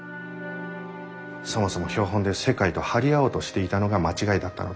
そもそも標本で世界と張り合おうとしていたのが間違いだったのだ。